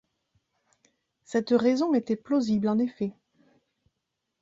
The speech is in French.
Cette raison était plausible, en effet.